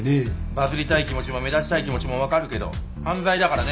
バズりたい気持ちも目立ちたい気持ちも分かるけど犯罪だからね。